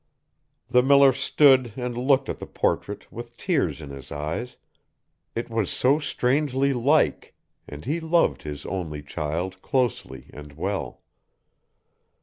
The miller stood and looked at the portrait with tears in his eyes, it was so strangely like, and he loved his only child closely and well.